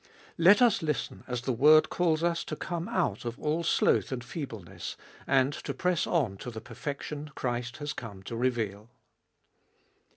Let us listen as the word calls us to come out of all sloth and feebleness, and to press on to the perfection Christ has come to reveal.